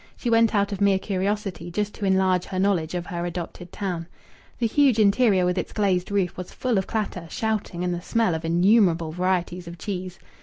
She went out of mere curiosity, just to enlarge her knowledge of her adopted town. The huge interior, with its glazed roof, was full of clatter, shouting, and the smell of innumerable varieties of cheese.